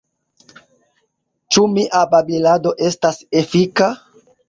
Ĉu mia babilado estas efika?